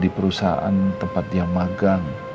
di perusahaan tempat dia magang